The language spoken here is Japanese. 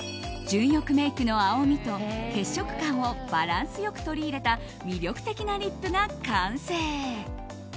純欲メイクの青みと血色感をバランス良く取り入れた魅力的なリップが完成。